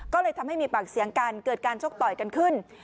ก็เลยทำให้มีปากเสียงกันเกิดการชกต่อยกันขึ้น